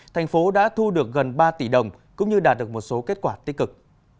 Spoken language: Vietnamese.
thành phố đã thu được gần ba tỷ đồng cũng như đạt được một số kết quả tích cực